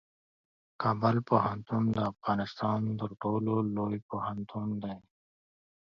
کابل پوهنتون د افغانستان تر ټولو لوی پوهنتون دی.